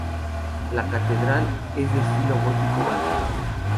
La catedral es de estilo gótico báltico.